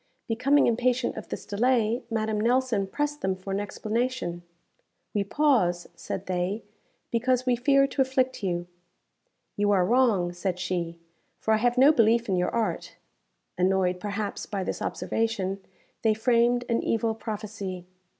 Becoming impatient of this delay, Madame Nelson pressed them for an explanation. "We pause," said they, "because we fear to afflict you." "You are wrong," said she, "for I have no belief in your art." Annoyed, perhaps, by this observation, they framed an evil prophecy.